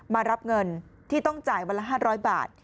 มารับเงินที่ต้องจ่ายวันละ๕๐๐บาท